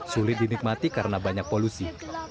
sulit dinikmati karena banyak polusi